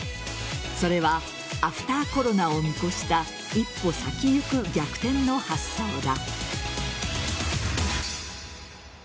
それはアフターコロナを見越した一歩先ゆく逆転の発想だ。